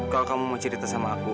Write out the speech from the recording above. kalau kamu mau cerita sama aku